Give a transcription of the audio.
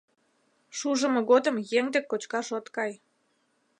Шужымо годым еҥ дек кочкаш от кай...